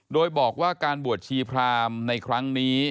โดยบอกว่าการบวชชีพรามในครั้งนี้